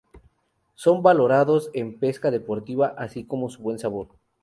Son valorados en pesca deportiva, así como por su buen sabor.